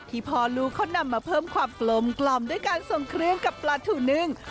พ่อลูกเขานำมาเพิ่มความกลมกล่อมด้วยการส่งเครื่องกับปลาถูนึ่ง